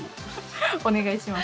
お願いします。